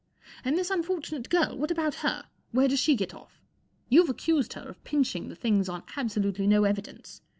And this un¬ fortunate girl, what about her ? Where does she get off ? You've accused h er of pine hi n g the things on abso¬ lutely no evidence.